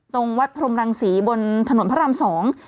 ตรงวัดพรมรังศรีบนถนนพระรามสอง